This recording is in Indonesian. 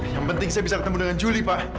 yang penting saya bisa ketemu dengan julie